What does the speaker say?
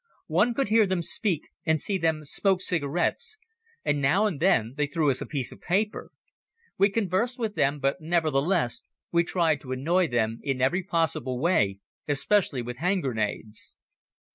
One could hear them speak and see them smoke cigarettes and now and then they threw us a piece of paper. We conversed with them, but nevertheless, we tried to annoy them in every possible way, especially with hand grenades.